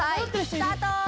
スタート！